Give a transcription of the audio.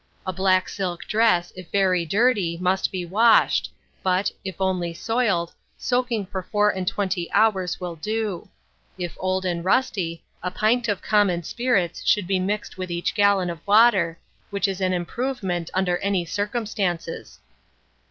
A black silk dress, if very dirty, must be washed; but, if only soiled, soaking for four and twenty hours will do; if old and rusty, a pint of common spirits should be mixed with each gallon of water, which is an improvement under any circumstances.